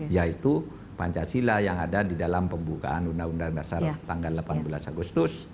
yaitu pancasila yang ada di dalam pembukaan undang undang dasar tanggal delapan belas agustus